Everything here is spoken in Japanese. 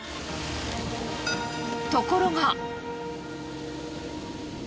ところが。